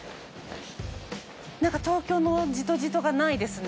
東京のジトジトがないですね。